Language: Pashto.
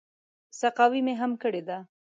سقاوي مې هم کړې ده.